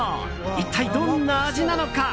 一体どんな味なのか？